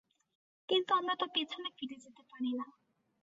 কিন্তু আমরা তো পেছনে ফিরে যেতে পারি না।